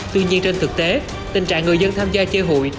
tuy nhiên trên thực tế tình trạng người dân tham gia chơi hụi